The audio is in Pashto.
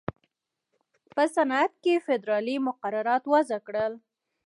په صنعت کې یې فېدرالي مقررات وضع کړل.